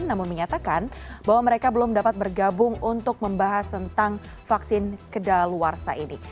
namun menyatakan bahwa mereka belum dapat bergabung untuk membahas tentang vaksin kedaluarsa ini